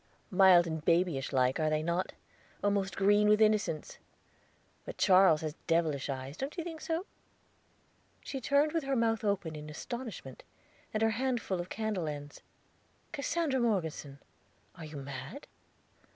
"Mild and babyish like, are they not? almost green with innocence. But Charles has devilish eyes, don't you think so?" She turned with her mouth open in astonishment, and her hand full of candle ends. "Cassandra Morgeson, are you mad?"